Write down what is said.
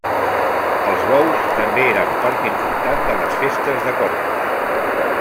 Els bous també eren part important de les festes de Corpus.